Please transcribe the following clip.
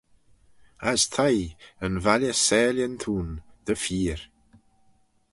As t'ee, yn valley s'aalin t'ayn, dy feer.